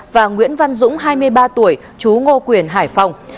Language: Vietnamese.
và nguyễn văn dũng hai mươi ba tuổi chú ngô quyền hải phòng